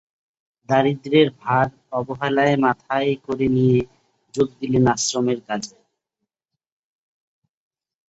দারিদ্র্যের ভার অবহেলায় মাথায় করে নিয়ে যোগ দিলেন আশ্রমের কাজে।